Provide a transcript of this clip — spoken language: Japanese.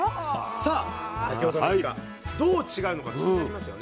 さあ先ほどのイカどう違うのか気になりますよね？